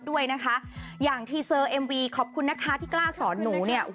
ด้วยนะคะอย่างทีเซอร์เอ็มวีขอบคุณนะคะที่กล้าสอนหนูเนี่ย